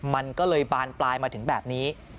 มันก็เลยบานปลายมาถึงแบบนี้